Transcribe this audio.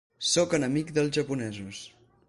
Sóc enemic dels japonesos.